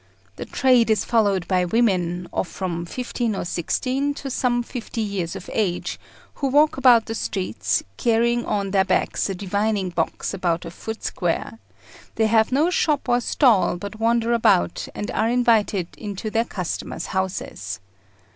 The trade is followed by women, of from fifteen or sixteen to some fifty years of age, who walk about the streets, carrying on their backs a divining box about a foot square; they have no shop or stall, but wander about, and are invited into their customers' houses.